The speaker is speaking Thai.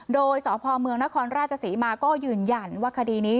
โดยสพเมืองนครราชศรีมาก็ยืนยันว่าคดีนี้